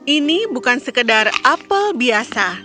ini bukan sekedar apel biasa